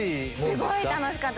すごい楽しかった。